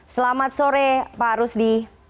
selamat sore pak rusdi